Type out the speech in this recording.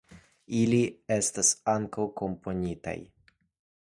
Ili estas ankaŭ komponitaj.